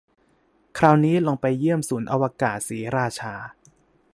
คราวนี้ลองไปเยี่ยมศูนย์อวกาศศรีราชา